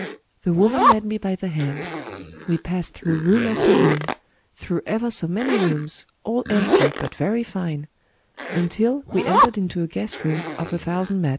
The woman led me by the hand: we passed through room after room, — through ever so many rooms, all empty, but very fine, — until we entered into a guest room of a thousand mats.